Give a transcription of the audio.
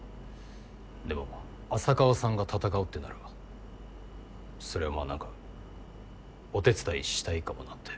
でも浅川さんが闘うってならそれはまあ何かお手伝いしたいかもなって。